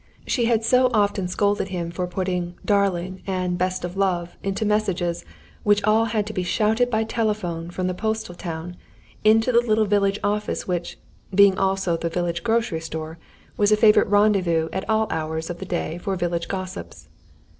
She had so often scolded him for putting "darling" and "best of love" into messages which all had to be shouted by telephone from the postal town, into the little village office which, being also the village grocery store, was a favourite rendezvous at all hours of the day for village gossips.